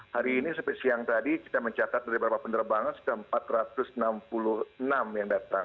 hari ini sampai siang tadi kita mencatat dari beberapa penerbangan sudah empat ratus enam puluh enam yang datang